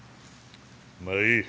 まあいい。